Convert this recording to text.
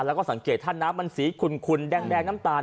แล้วก็สังเกตท่านน้ำมันสีขุนแดงน้ำตาล